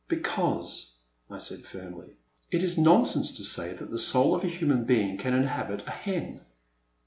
Because," I said, firmly, '* it is nonsense to say that the soul of a human being can inhabit a hen